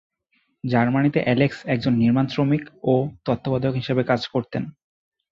জার্মানিতে অ্যালেক্স একজন নির্মাণ শ্রমিক ও তত্ত্বাবধায়ক হিসেবে কাজ করতেন।